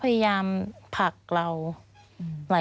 มันจอดอย่างง่ายอย่างง่าย